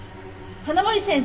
花森先生。